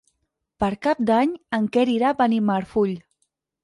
Per Cap d'Any en Quer irà a Benimarfull.